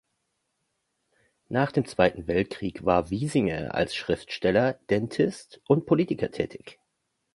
Nach dem Zweiten Weltkrieg war Wiesinger als Schriftsteller, Dentist und Politiker tätig.